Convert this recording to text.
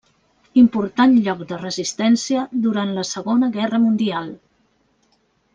Important lloc de resistència durant la Segona Guerra Mundial.